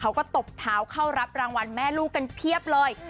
ตบเท้าเข้ารับรางวัลแม่ลูกกันเพียบเลย